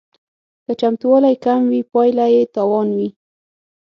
که چمتووالی کم وي پایله یې تاوان وي